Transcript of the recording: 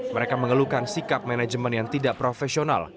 mereka mengeluhkan sikap manajemen yang tidak profesional